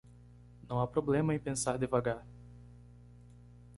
Não há problema em pensar devagar